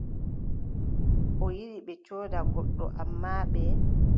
O yiɗi ɓe sooda goɗɗo, ammaa ɓe.